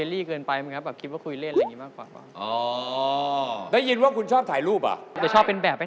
เดี๋ยวฮี่คุณนิ้วบอกคุณนิ้วยังไม่ชอบถูกถ่ายเหมือนกัน